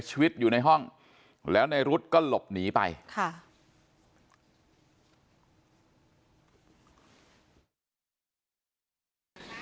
ชีวิตอยู่ในห้องแล้วในรุ๊ดก็หลบหนีไปค่ะ